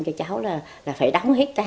cho cháu là phải đóng hết